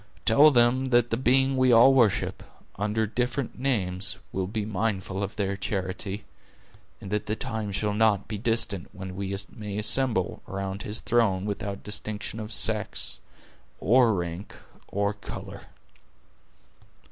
Tell them, that the Being we all worship, under different names, will be mindful of their charity; and that the time shall not be distant when we may assemble around His throne without distinction of sex, or rank, or color."